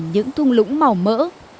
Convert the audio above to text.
những thung lũng màu mỡ